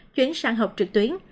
chuyển sang học trực tuyến